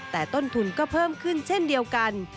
แต่ต้นทุนก็เพิ่มขึ้นเช่นเดียวกัน